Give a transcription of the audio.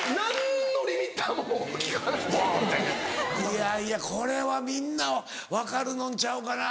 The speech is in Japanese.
いやいやこれはみんな分かるのんちゃうかな。